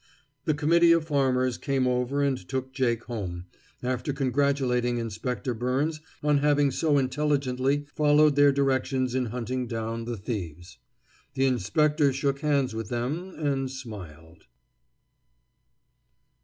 The committee of farmers came over and took Jake home, after congratulating Inspector Byrnes on having so intelligently followed their directions in hunting down the thieves. The inspector shook hands with them and smiled.